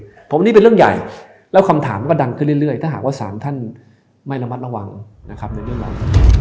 เพราะนี่เป็นเรื่องใหญ่แล้วคำถามก็ดังขึ้นเรื่อยถ้าหากว่าสารท่านไม่ระมัดระวังนะครับในเรื่องนั้น